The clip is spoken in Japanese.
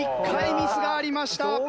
１回ミスがありました。